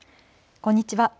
こんにちは。